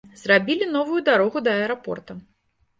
Зрабілі новую дарогу да аэрапорта.